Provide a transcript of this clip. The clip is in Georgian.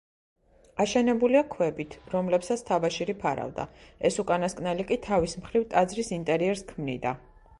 აშენებულია ქვებით, რომლებსაც თაბაშირი ფარავდა, ეს უკანასკნელი კი თავის მხრივ, ტაძრის ინტერიერს ქმნიდა.